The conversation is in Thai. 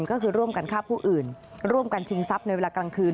ก็คือร่วมกันฆ่าผู้อื่นร่วมกันชิงทรัพย์ในเวลากลางคืน